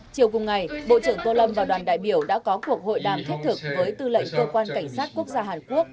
chiều cùng ngày bộ trưởng tô lâm và đoàn đại biểu đã có cuộc hội đàm thiết thực với tư lệnh cơ quan cảnh sát quốc gia hàn quốc